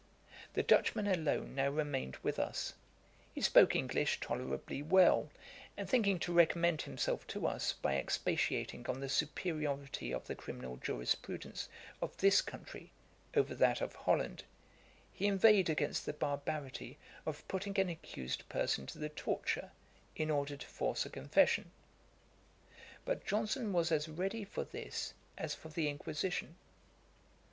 The Dutchman alone now remained with us. He spoke English tolerably well; and thinking to recommend himself to us by expatiating on the superiority of the criminal jurisprudence of this country over that of Holland, he inveighed against the barbarity of putting an accused person to the torture, in order to force a confession. But Johnson was as ready for this, as for the Inquisition.